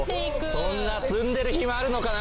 そんな積んでる暇あるのかな？